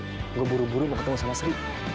gue buru buru mau ketemu sama sri